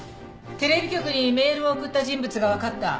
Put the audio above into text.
テレビ局にメールを送った人物がわかった。